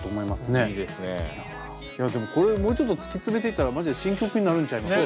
いやでもこれもうちょっと突き詰めていったらマジで新曲になるんちゃいます？